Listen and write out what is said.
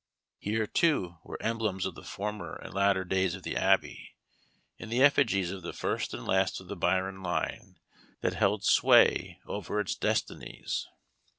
Here, too, were emblems of the former and latter days of the Abbey, in the effigies of the first and last of the Byron line that held sway over its destinies.